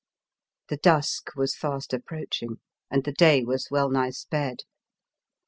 The dusk was fast approaching and the day was well nigh sped.